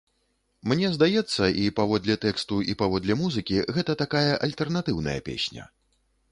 Мне здаецца, і паводле тэксту і паводле музыкі, гэта такая альтэрнатыўная песня.